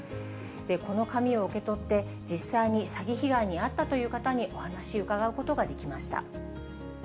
この紙を受け取って、実際に詐欺被害に遭ったという方にお話伺うことができました。